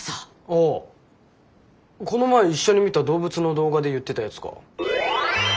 ああこの前一緒に見た動物の動画で言ってたやつか。